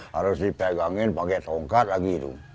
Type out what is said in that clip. harus dipegangin pakai tongkat lagi itu